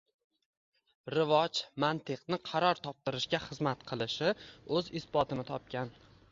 rivoj, mantiqni qaror toptirishga xizmat qilishi o‘z isbotini topgan.